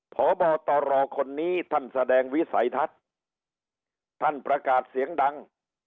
พบตรคนนี้ท่านแสดงวิสัยทัศน์ท่านประกาศเสียงดัง